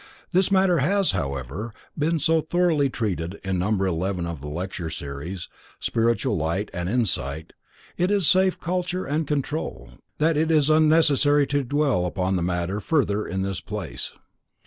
This matter has, however, been so thoroughly treated in number 11 of the lecture series: "Spiritual Sight and Insight; its safe culture and control," that it is unnecessary to dwell upon the matter further in this place.